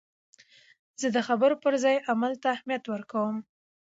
زه د خبرو پر ځای عمل ته اهمیت ورکوم.